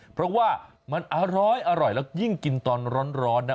เพราะว่ามันอร้อยแล้วยิ่งกินตอนร้อนนะ